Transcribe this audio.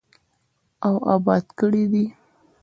او اباد کړی دی.